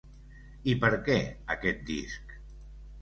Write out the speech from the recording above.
I per què aquest disc?